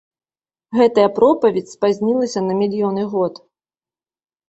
Гэтая пропаведзь спазнілася на мільёны год.